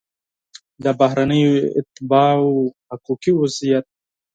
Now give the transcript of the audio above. د بهرنیو اتباعو حقوقي وضعیت